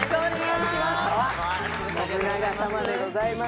信長様でございます。